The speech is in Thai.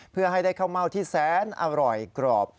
เพื่อให้ได้ข้าวเม่าที่แสนอร่อยกรอบ